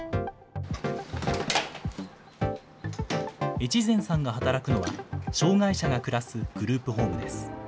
越前さんが働くのは、障害者が暮らすグループホームです。